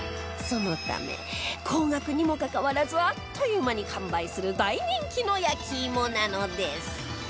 そのため高額にもかかわらずあっという間に完売する大人気の焼き芋なのです